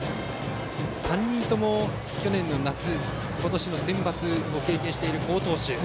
３人とも去年の夏今年のセンバツを経験している好投手です。